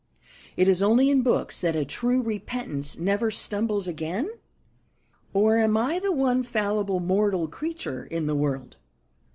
Is it only in books that a true repentance never stumbles again? Or am I the one fallible mortal creature in the world?